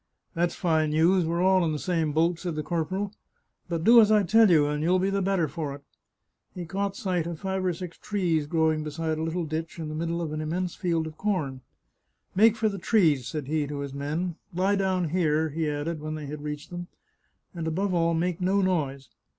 " That's fine news ! We're all in the same boat," said the corporal. " But do as I tell you, and you'll be the better for it." He caught sight of five or six trees grow ing beside a little ditch in the middle of an immense field of corn. " Make for the trees," said he to his men. " Lie down here," he added when they had reached them, " and, above all, make no noise.